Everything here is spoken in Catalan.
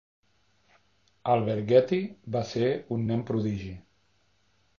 Alberghetti va ser un nen prodigi.